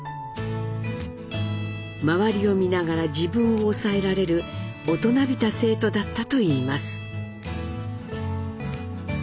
周りを見ながら自分を抑えられる大人びた生徒だったといいます。